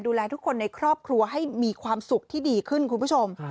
ดูแลทุกคนในครอบครัวให้มีความสุขที่ดีขึ้นคุณผู้ชม